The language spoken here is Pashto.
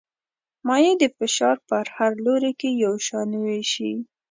مایع د فشار په هر لوري کې یو شان وېشي.